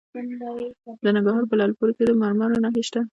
د ننګرهار په لعل پورې کې د مرمرو نښې شته.